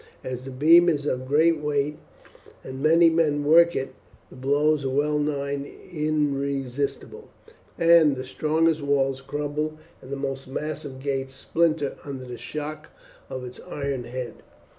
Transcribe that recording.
As the beam is of great weight, and many men work it, the blows are well nigh irresistible, and the strongest walls crumble and the most massive gates splinter under the shock of its iron head."